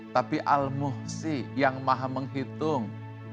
tapi al muhsi yang maha menghitung